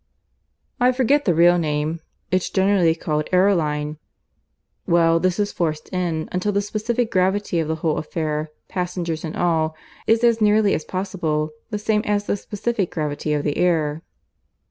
"I forget the real name. It's generally called aeroline. Well, this is forced in, until the specific gravity of the whole affair, passengers and all, is as nearly as possible the same as the specific gravity of the air."